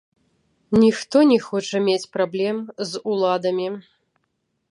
Ніхто не хоча мець праблем з уладамі.